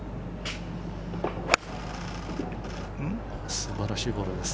素晴らしいボールです。